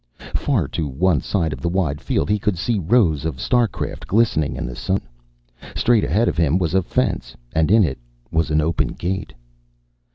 Far to one side of the wide field he could see rows of starcraft glistening in the sun. Straight ahead of him was a fence, and in it was an open gate.